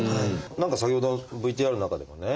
何か先ほどのＶＴＲの中でもね